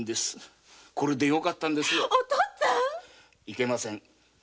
いけません！